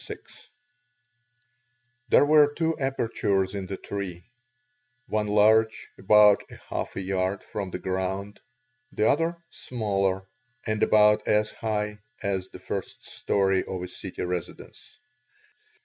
VI There were two apertures in the tree, one large, about a half a yard from the ground; the other smaller, and about as high as the first story of a city residence.